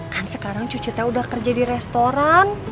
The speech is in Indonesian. kan sekarang cuci teh udah kerja di restoran